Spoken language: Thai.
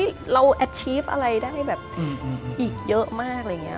เฮ้ยเราอาชีฟอะไรได้ไม่แบบอีกเยอะมากอะไรอย่างนี้